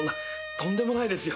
とんでもないですよ。